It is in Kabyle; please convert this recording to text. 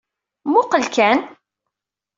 Mmuqqel kan.